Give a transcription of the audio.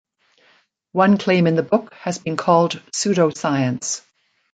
One claim in the book has been called pseudoscience.